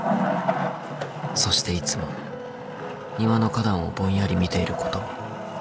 そしていつも庭の花壇をぼんやり見ていることも。